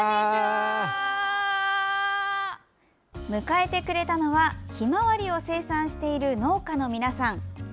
迎えてくれたのはひまわりを生産している農家の皆さん。